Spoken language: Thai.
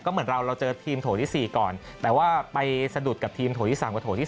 เหมือนเราเราเจอทีมโถที่๔ก่อนแต่ว่าไปสะดุดกับทีมโถที่๓กว่าโถที่๓